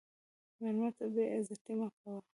مېلمه ته بې عزتي مه کوه.